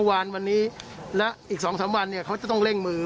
หากมีคำสั่งศโฆภุคือ